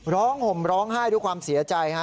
ห่มร้องไห้ด้วยความเสียใจฮะ